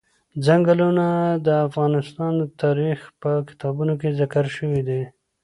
چنګلونه د افغان تاریخ په کتابونو کې ذکر شوی دي.